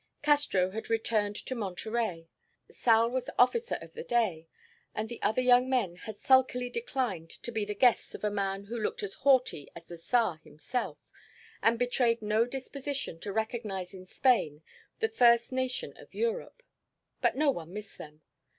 Castro had returned to Monterey, Sal was officer of the day, and the other young men had sulkily declined to be the guests of a man who looked as haughty as the Tsar himself and betrayed no disposition to recognize in Spain the first nation of Europe. But no one missed them.